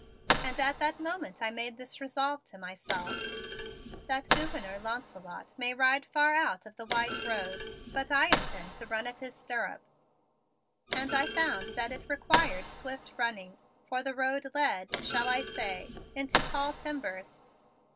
And at that moment I made this resolve to myself: "That Gouverneur Launcelot may ride far out of the white road, but I intend to run at his stirrup." And I found that it required swift running, for the road led shall I say into "tall timbers."